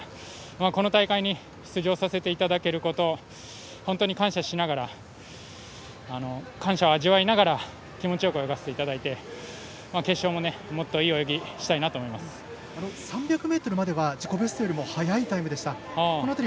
この大会に出場させていただけるところ本当に感謝しながら感謝を味わいながら気持ちよく泳がせていただいて決勝も３００ｍまでは自己ベストよりも速いタイムでした。